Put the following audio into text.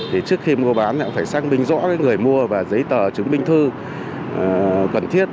thì trước khi mua bán thì cũng phải sang bình rõ người mua và giấy tờ chứng bình thư cần thiết